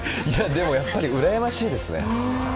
でも、やっぱりうらやましいですね。